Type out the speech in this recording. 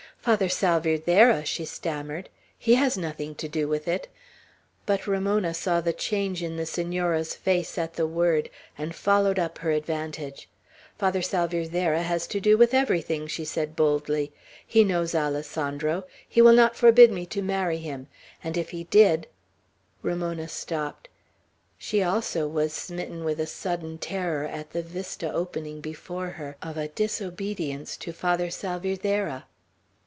"Father Salvierderra?" she stammered; "he has nothing to do with it." But Ramona saw the change in the Senora's face, at the word, and followed up her advantage. "Father Salvierderra has to do with everything," she said boldly. "He knows Alessandro, He will not forbid me to marry him, and if he did " Ramona stopped. She also was smitten with a sudden terror at the vista opening before her, of a disobedience to Father Salvierderra.